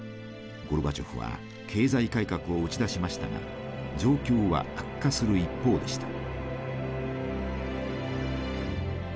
ゴルバチョフは経済改革を打ち出しましたが状況は悪化する一方でした。